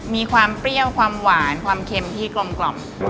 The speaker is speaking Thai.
มีความเปรี้ยวความหวานความเค็มที่กลม